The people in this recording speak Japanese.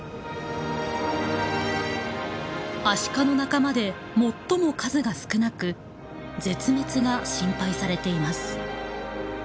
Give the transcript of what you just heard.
アシカの仲間で最も数が少なく絶滅が心配されています。